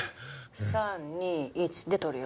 ３２１で取るよ。